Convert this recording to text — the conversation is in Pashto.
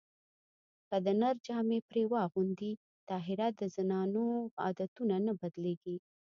که د نر جامې پرې واغوندې طاهره د زنانو عادتونه نه بدلېږي